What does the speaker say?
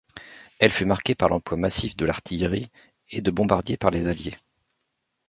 Elle fut marquée par l'emploi massif de l'artillerie et de bombardiers par les Alliés.